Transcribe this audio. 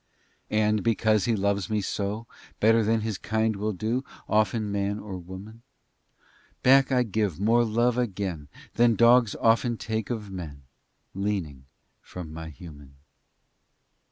XV And because he loves me so, Better than his kind will do Often man or woman, Give I back more love again Than dogs often take of men, Leaning from my human.